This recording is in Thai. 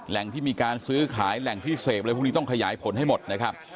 ที่มีการซื้อขายแหล่งที่เสพอะไรพวกนี้ต้องขยายผลให้หมดนะครับ